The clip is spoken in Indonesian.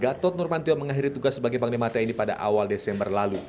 gatot nurmantio mengakhiri tugas sebagai panglima tni pada awal desember lalu